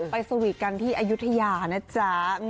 สวีทกันที่อายุทยานะจ๊ะ